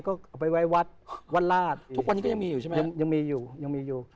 ก็เอาไปไว้วัดวัดราชทุกวันนี้ก็ยังมีอยู่ใช่ไหมยังมีอยู่ยังมีอยู่